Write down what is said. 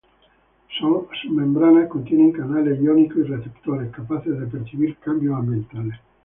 Sus membranas contienen canales iónicos y receptores capaces de percibir cambios ambientales.